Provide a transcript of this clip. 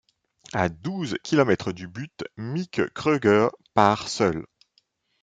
À douze kilomètre du but, Mieke Kröger part seule.